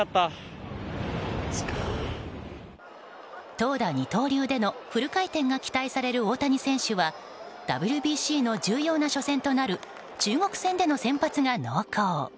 投打二刀流でのフル回転が期待される大谷選手はＷＢＣの重要な初戦となる中国戦での先発が濃厚。